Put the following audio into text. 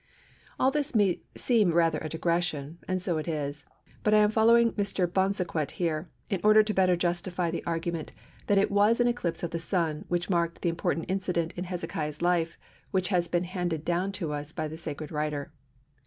All this may seem rather a digression, and so it is, but I am following Mr. Bosanquet herein in order the better to justify the argument that it was an eclipse of the Sun which marked the important incident in Hezekiah's life which has been handed down to us by the sacred writer.